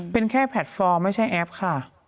เป็นแค่แพลตฟอร์มไม่ใช่แอปค่ะ